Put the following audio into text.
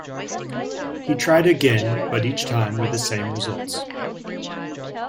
He tried again, but each time with the same results.